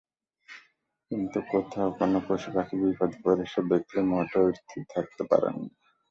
কিন্তু কোথাও কোনো পশুপাখি বিপদে পড়েছে দেখলে মোটেও স্থির থাকতে পারেন না।